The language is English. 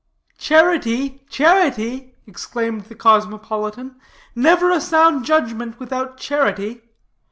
"Charity, charity!" exclaimed the cosmopolitan, "never a sound judgment without charity.